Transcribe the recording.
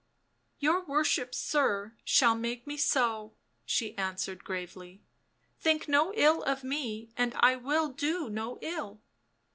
" Your worship, sir, shall make me so," she answered gravely. " Think no ill of me and I will do no ill."